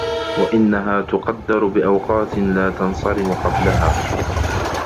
وَأَنَّهَا تُقَدَّرُ بِأَوْقَاتٍ لَا تَنْصَرِمُ قَبْلَهَا